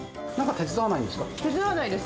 手伝わないです。